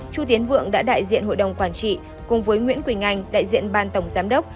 chu tiến vượng đã đại diện hội đồng quản trị cùng với nguyễn quỳnh anh đại diện ban tổng giám đốc